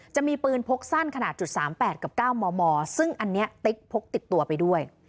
จะมีปืนพกสั้นขนาด๓๘กับ๙มมซึ่งอันนี้ติ๊กพกติดตัวไปด้วย